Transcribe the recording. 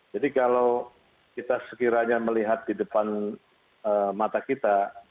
jadi kalau kita sekiranya melihat di depan mata kita